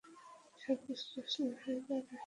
সবকিছু তছনছ হয়ে যাবে।